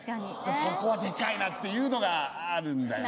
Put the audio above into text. そこはデカいなっていうのがあるんだよね